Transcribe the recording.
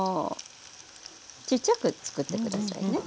ちっちゃく作ってくださいね。